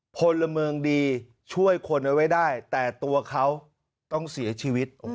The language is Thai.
พลเมืองดีช่วยคนเอาไว้ได้แต่ตัวเขาต้องเสียชีวิต